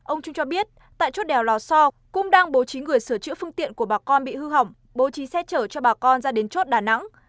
ông trung cho biết tại chốt đèo lò so cũng đang bố trí người sửa chữa phương tiện của bà con bị hư hỏng bố trí xe chở cho bà con ra đến chốt đà nẵng